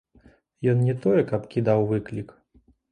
Ён не тое, каб кідаў выклік.